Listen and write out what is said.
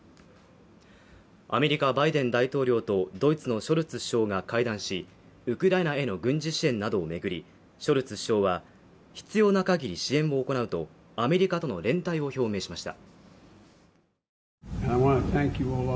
アメリカバイデン大統領とドイツのショルツ首相が会談し、ウクライナへの軍事支援などを巡り、ショルツ首相は必要な限り支援を行うと、アメリカとの連帯を表明しました。